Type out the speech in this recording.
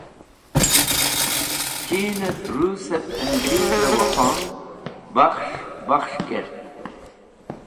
Chinẽt Rusẽt Ẽngrizẽ Wuk̃hon/ Wakhan bakhs̃h bakhs̃h kẽt.